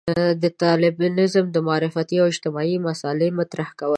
د طالبانيزم د معرفتي او اجتماعي مسألې مطرح کول.